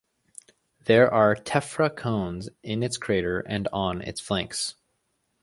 There are tephra cones in its crater and on its flanks.